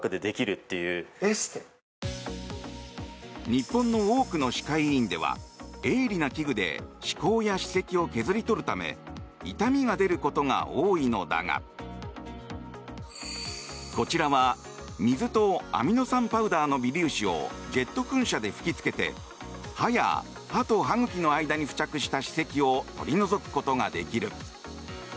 日本の多くの歯科医院では鋭利な器具で歯垢や歯石を削り取るため痛みが出ることが多いのだがこちらは水とアミノ酸パウダーの微粒子をジェット噴射で吹きつけて歯や歯と歯茎の間に付着した歯石を取り除くことができる。